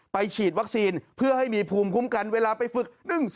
ฉีดวัคซีนเพื่อให้มีภูมิคุ้มกันเวลาไปฝึก